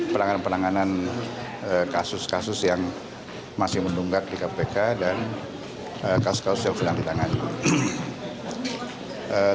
penanganan penanganan kasus kasus yang masih menunggak di kpk dan kasus kasus yang sedang ditangani